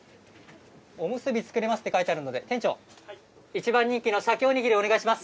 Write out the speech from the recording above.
おむすび作れますって書いてあるので、店長、一番人気の鮭お握り、お願いします。